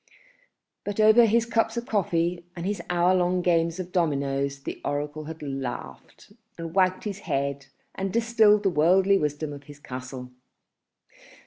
But over his cups of coffee and his hour long games of dominoes the oracle had laughed and wagged his head and distilled the worldly wisdom of his castle.